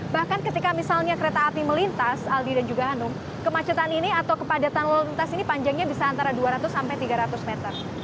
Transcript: bahkan ketika misalnya kereta api melintas aldi dan juga hanum kemacetan ini atau kepadatan lalu lintas ini panjangnya bisa antara dua ratus sampai tiga ratus meter